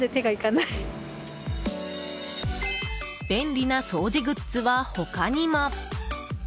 便利な掃除グッズは他にも。